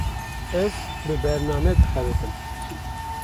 Ez, bi bername dixebitim